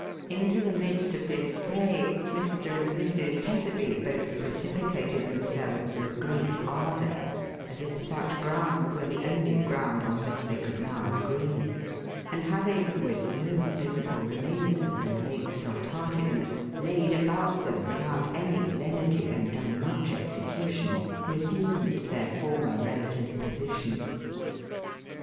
Into the midst of this fray, Mr. and Mrs. Tetterby both precipitated themselves with great ardour, as if such ground were the only ground on which they could now agree ; and having, with no visible remains of their late soft hearted ness, laid about them without any lenity, and done much execution, resumed their former relative positions.